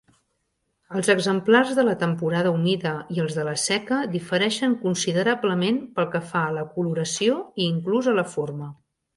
Els exemplars de la temporada humida i els de la seca difereixen considerablement pel que fa a la coloració i inclús a la forma.